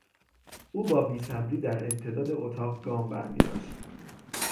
او با بیصبری در امتداد اتاق گام برمیداشت.